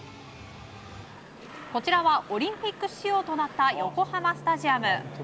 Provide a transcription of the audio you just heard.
こちらはオリンピック仕様となった横浜スタジアム。